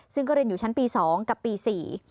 ซึ่งก็เรียนอยู่ชั้นปี๒กับปี๔